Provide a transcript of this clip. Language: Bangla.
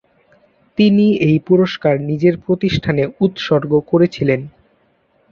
তিনি এই পুরস্কার নিজের প্রতিষ্ঠানে উৎসর্গ করেছিলেন।